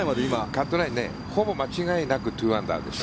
カットラインほぼ間違いなく２アンダーです。